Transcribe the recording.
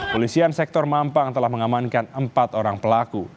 polisian sektor mampang telah mengamankan empat orang pelaku